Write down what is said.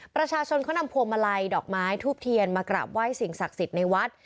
ประชาชนเขานำพวงมาลัยดอกไม้ทูบเทียนมากราบไหว้สิ่งศักดิ์สิทธิ์ในวัด